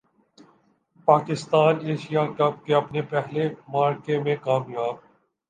Pakistan Asia cup کے اپنے پہلے معرکے میں کامیاب